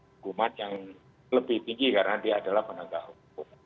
hukuman yang lebih tinggi karena dia adalah penegak hukum